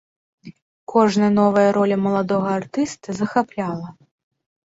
Кожная новая роля маладога артыста захапляла.